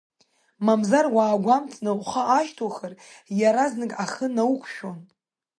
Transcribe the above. Мамзар, уаагәамҵны ухы аашьҭухыр иаразнак ахы науқәшәон.